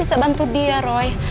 untuk dia roy